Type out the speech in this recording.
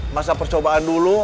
masa percobaan dulu